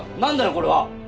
これは。